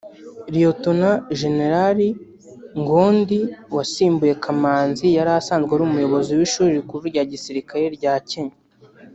Lt Gen Ngondi wasimbuye Kamanzi yari asanzwe ari umuyobozi w’ishuri rikuru rya gisirikari rya Kenya